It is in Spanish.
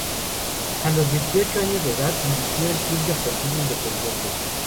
A los veintiocho años de edad dirigió el Club Deportivo Independiente.